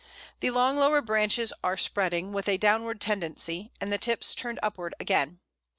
The long lower branches are spreading, with a downward tendency, and the tips turned upward again.